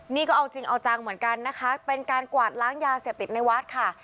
นี่ก็เอาจริงเอาจังเหมือนกันนะคะเป็นการกวาดล้างยาเสพติดในวัดค่ะ